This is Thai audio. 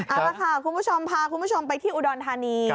เอาละค่ะคุณผู้ชมพาคุณผู้ชมไปที่อุดรธานี